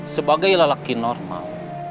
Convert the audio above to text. sebagai lelaki normal